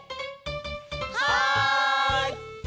はい！